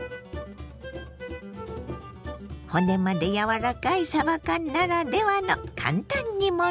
骨まで柔らかいさば缶ならではの簡単煮物。